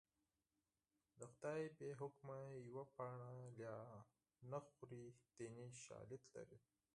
د خدای بې حکمه یوه پاڼه لا نه خوري دیني شالید لري